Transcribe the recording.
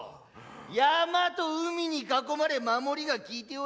山と海に囲まれ守りがきいておる。